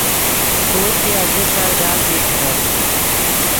پور کہ آجستائے ڈازئی کینت